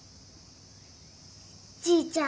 じいちゃん